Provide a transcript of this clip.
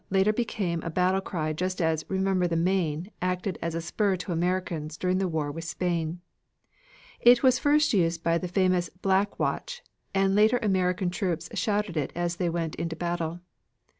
later became a battlecry just as "Remember the Maine!" acted as a spur to Americans during the war with Spain. It was first used by the famous "Black Watch" and later American troops shouted it as they went into battle.